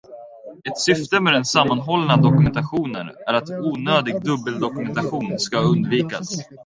Ett syfte med den sammanhållna dokumentation är att onödig dubbeldokumentation ska undvikas.